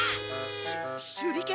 しゅ手裏剣？